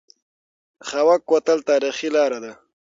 خاوک کوتل تاریخي لاره ده؟